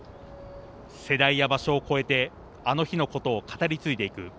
世代や場所を越えてあの日のことを語り継いでいく。